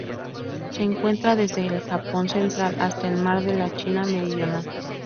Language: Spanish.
Se encuentra desde el Japón central hasta el Mar de la China Meridional.